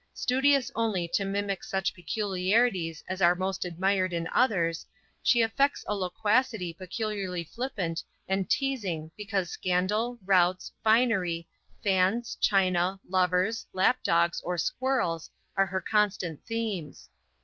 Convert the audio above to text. Studious only to mimic such peculiarities as are most admired in others, she affects a loquacity peculiarly flippant and teazing because scandal, routs, finery, fans, china, lovers, lap dogs, or squirrels, are her constant themes.